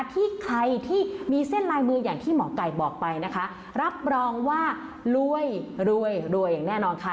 ที่ใครที่มีเส้นลายมืออย่างที่หมอไก่บอกไปนะคะรับรองว่ารวยรวยรวยอย่างแน่นอนค่ะ